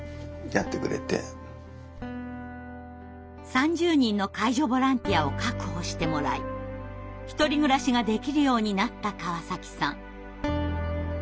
３０人の介助ボランティアを確保してもらい１人暮らしができるようになった川崎さん。